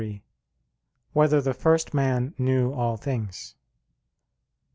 3] Whether the First Man Knew All Things?